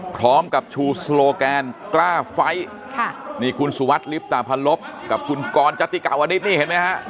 พร้อมกับชูโซโลแกนกล้าไฟท์นี่คุณสุวัสดิ์ลิฟตาพระลบกับคุณกรจติกาวอดิษฐ์นี่เห็นไหมครับ